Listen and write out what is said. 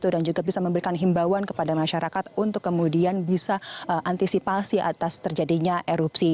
dan juga bisa memberikan himbauan kepada masyarakat untuk kemudian bisa antisipasi atas terjadinya erupsi